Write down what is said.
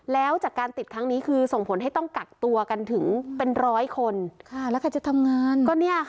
แล้วจากการติดครั้งนี้คือส่งผลให้ต้องกักตัวกันถึงเป็นร้อยคนแล้วใครจะทำงาน